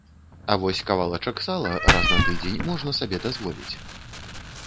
А вось кавалачак сала раз на тыдзень можна сабе дазволіць.